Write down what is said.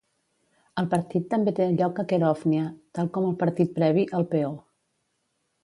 El partit també té lloc a Kerovnia, tal com el partit previ "El Peó".